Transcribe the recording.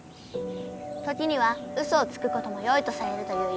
「時にはウソをつくこともよいとされるといういみ。